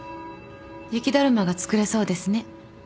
雪だるまが作れそうですね。